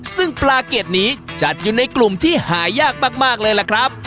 ซึ่งปลาเกรดนี้จัดอยู่ในกลุ่มที่หายากมากเลยล่ะครับ